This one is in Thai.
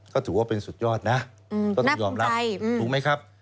ก็ถือว่าเป็นสุดยอดนะก็ต้องยอมรับถูกไหมครับ